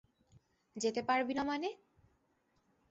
যেতে পারবি না মানে?